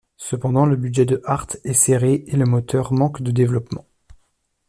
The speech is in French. Cependant le budget de Hart est serré et le moteur manque de développement.